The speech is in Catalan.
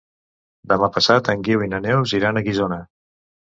Demà passat en Guiu i na Neus iran a Guissona.